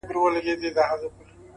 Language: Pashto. عاجزي د لویو انسانانو عادت دی